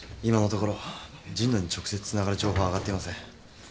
今のところ神野に直接つながる情報は上がっていません。